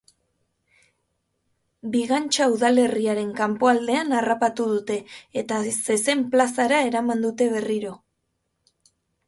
Bigantxa udalerriaren kanpoaldean harrapatu dute, eta zezen-plazara eraman dute berriro.